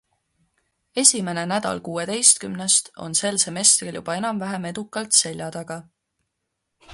Esimene nädal kuueteistkümnest on sel semestril juba enam-vähem edukalt selja taga.